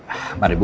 apa ada ibu